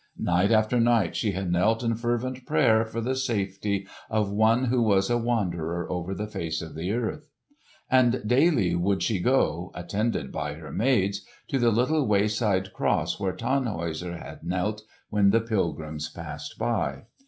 Night after night she had knelt in fervent prayer for the safety of one who was a wanderer over the face of the earth. And daily would she go, attended by her maids, to the little wayside cross where Tannhäuser had knelt when the pilgrims passed by.